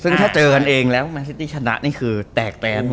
ซึ่งถ้าเจอกันเองแล้วแมนซิตี้ชนะนี่คือแตกแตนหมด